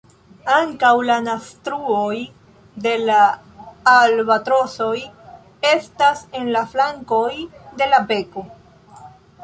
Ankaŭ la naztruoj de la albatrosoj estas en la flankoj de la beko.